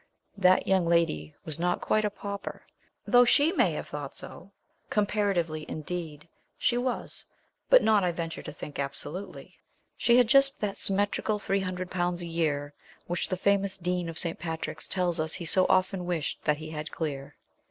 That young lady was not quite a pauper, though she may have thought so. Comparatively, indeed, she was; but not, I venture to think, absolutely. She had just that symmetrical three hundred pounds a year, which the famous Dean of St. Patrick's tells us he so 'often wished that he had clear.'